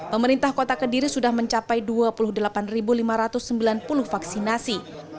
pemerintah kota kediri sudah mencapai dua puluh delapan lima ratus sembilan puluh vaksinasi